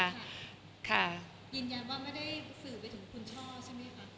ค่ะยืนยันว่าไม่ได้สื่อไปถึงคุณช่อใช่ไหมคะ